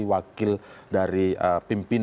wakil dari pimpin